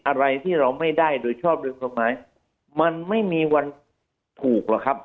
อะไรที่เราไม่ได้โดยชอบโดยกฎหมายมันไม่มีวันถูกหรอกครับ